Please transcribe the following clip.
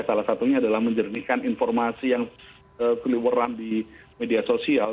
salah satunya adalah menjernihkan informasi yang keliweran di media sosial